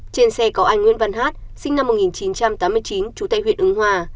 trên xe có anh nguyễn văn hát sinh năm một nghìn chín trăm tám mươi chín trú tại huyện ứng hòa